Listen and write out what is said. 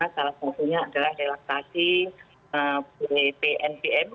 salah satunya adalah relaksasi pnbm